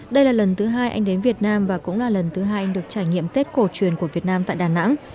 đây là lần thứ hai anh đến việt nam và cũng là lần thứ hai anh được trải nghiệm tết cổ truyền của việt nam tại đà nẵng